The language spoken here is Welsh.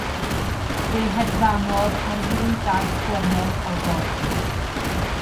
Fe hedfanodd ar ddwy Daith Gwennol ofod.